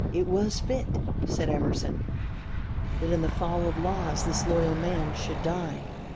"It was fit," said Emerson, "that in the fall of laws, this loyal man should die."